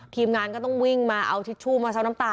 ทีมงานก็ต้องวิ่งมาเอาทิชชู่มาใช้น้ำตา